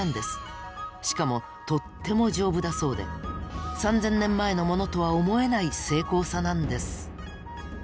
しかもとっても丈夫だそうで３０００年前のものとは思えない精巧さなんです。